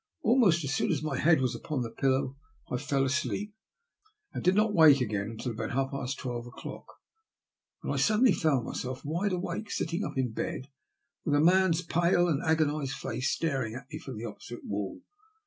Almost as soon as THE WRECK OP THE "FIJI PRINCESS." 181 my head was npon the pillow I fell asleep, and did not wake again until about half past twelve o'clock, when I suddenly found myself wide awake sitting up in bed, with a man's pale and agonised face staring at me from the opposite wall.